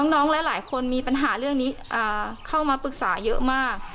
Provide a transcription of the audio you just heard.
หลายคนมีปัญหาเรื่องนี้เข้ามาปรึกษาเยอะมาก